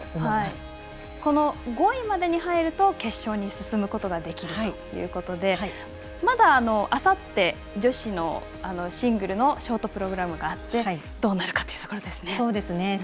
５位までに入ると決勝に進むことができるということでまだ、あさって女子のシングルのショートプログラムがあってどうなるかというところですね。